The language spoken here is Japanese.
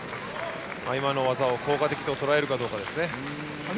今の技を効果的ととらえるかどうか。